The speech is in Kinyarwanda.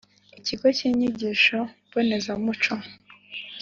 Ikigo cy Inyigisho Mbonezamuco